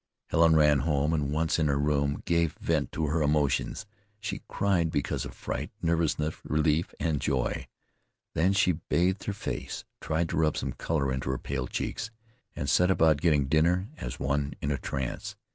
Helen ran home, and, once in her room, gave vent to her emotions. She cried because of fright, nervousness, relief, and joy. Then she bathed her face, tried to rub some color into her pale cheeks, and set about getting dinner as one in a trance.